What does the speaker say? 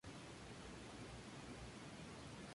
Mientras tanto, en Nápoles, la pasta se extendía cada vez más.